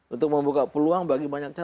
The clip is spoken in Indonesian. untuk membuka peluang bagi banyak calon